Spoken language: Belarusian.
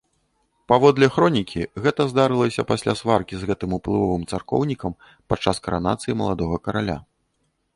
Паводле хронікі, гэта здарылася пасля сваркі з гэтым уплывовым царкоўнікам падчас каранацыі маладога караля.